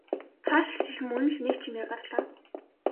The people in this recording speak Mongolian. Цаашилтал мөн л нэг чимээ гарлаа.